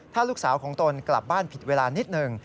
ถ้าลูกสาวของตนกลับบ้านผิดเวลานิดหนึ่ง